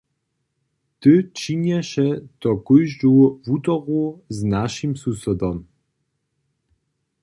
Ty činješe to kóždu wutoru z našim susodom.